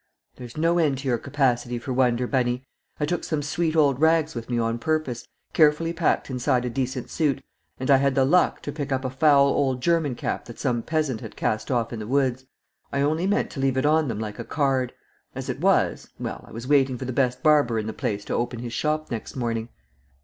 "There's no end to your capacity for wonder, Bunny. I took some sweet old rags with me on purpose, carefully packed inside a decent suit, and I had the luck to pick up a foul old German cap that some peasant had cast off in the woods. I only meant to leave it on them like a card; as it was well, I was waiting for the best barber in the place to open his shop next morning."